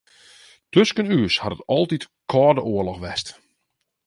Tusken ús hat it altyd kâlde oarloch west.